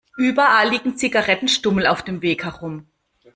Überall liegen Zigarettenstummel auf dem Weg herum.